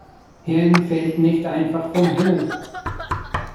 Hirn fällt nicht einfach vom Himmel.